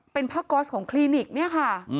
เป็นผ้าก๊อสของคลินิกเนี่ยค่ะ